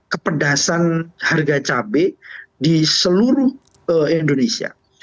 kepedasan harga cabai di seluruh indonesia